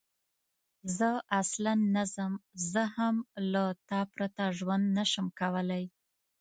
زه اصلاً نه ځم، زه هم له تا پرته ژوند نه شم کولای.